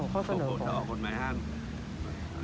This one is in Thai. คือเราออกเป็นกฎหมายห้ามเลยไม่ได้